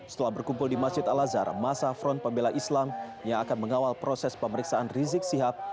setelah berkumpul di masjid al azhar masa front pembela islam yang akan mengawal proses pemeriksaan rizik sihab